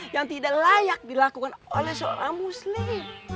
yang tidak layak dilakukan oleh seorang muslim